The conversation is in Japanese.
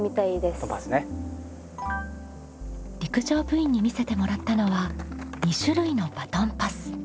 陸上部員に見せてもらったのは２種類のバトンパス。